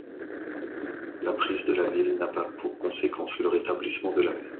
La prise de la ville n'a pas pour conséquence le rétablissement de la paix.